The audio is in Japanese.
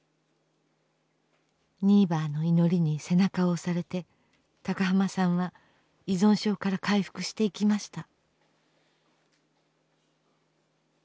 「ニーバーの祈り」に背中を押されて高浜さんは依存症から回復していきました。